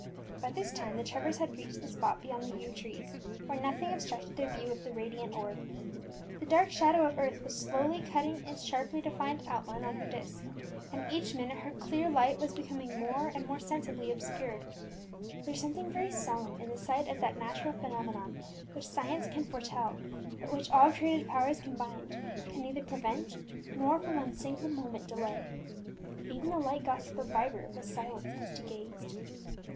By this time the Trevors had reached the spot beyond the yew trees, where nothing obstructed their view of the radiant orb. The dark shadow of earth was slowly cutting its sharply defined outline on her disc, and each minute her clear light was becoming more and more sensibly obscured. There is something very solemn in the sight of that natural phenomenon which science can foretell, but which all created powers combined can neither prevent nor for one single moment delay. Even the light gossip of Vibert was silenced as he gazed.